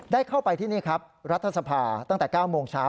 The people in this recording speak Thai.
ได้เข้าไปที่นี่ครับรัฐสภาตั้งแต่๙โมงเช้า